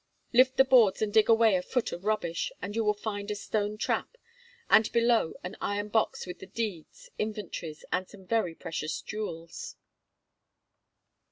Lift the boards and dig away a foot of rubbish, and you will find a stone trap, and below an iron box with the deeds, inventories, and some very precious jewels.